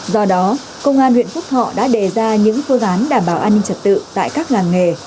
do đó công an huyện phúc thọ đã đề ra những phương án đảm bảo an ninh trật tự tại các làng nghề